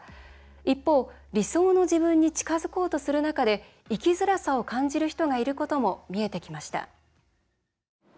一方、理想の自分に近づこうとする中で生きづらさを感じている人もいることが見えてきました。